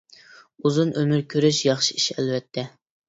ئۇزۇن ئۆمۈر كۆرۈش ياخشى ئىش ئەلۋەتتە.